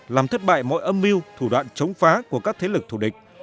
làm thất bại mọi âm mưu thủ đoạn chống phá của các thế lực thù địch